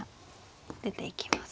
出ていきます。